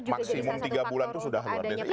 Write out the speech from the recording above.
maksimum tiga bulan itu sudah